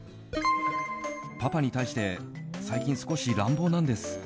パパに対して最近少し乱暴なんです。